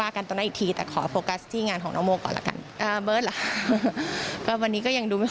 ก็ให้กำลังใจค่ะ